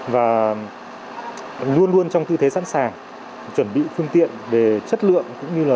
và luôn luôn trong tư thế sẵn sàng chuẩn bị phương tiện về chất lượng cũng như là